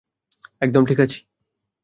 একদম ঠিক আছি!